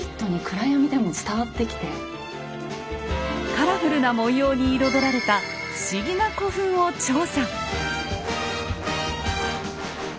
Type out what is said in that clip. カラフルな文様に彩られた不思議な古墳を調査。